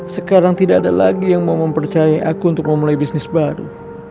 sekarang tidak ada lagi yang mau mempercayai aku untuk memulai bisnis baru